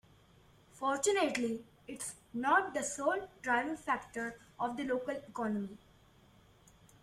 Fortunately its not the sole driving factor of the local economy.